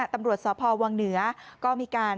ตำรวจสพวังเหนือก็มีการ